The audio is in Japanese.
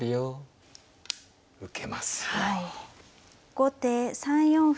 後手３四歩。